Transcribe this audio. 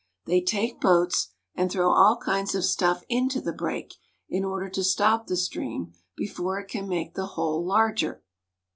They take boats, and throw all kinds of stuff into the break, in order to stop the stream before it can make the hole larger.